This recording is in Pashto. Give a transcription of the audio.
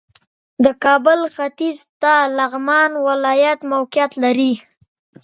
د کابل ختیځ ته لغمان ولایت موقعیت لري